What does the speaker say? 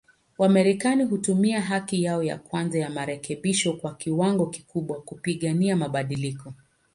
Wamarekani hutumia haki yao ya kwanza ya marekebisho kwa kiwango kikubwa, kupigania mabadiliko.